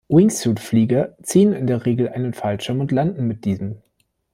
Wingsuit-Flieger ziehen in der Regel einen Fallschirm und landen mit diesem.